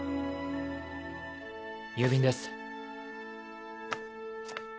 郵便です。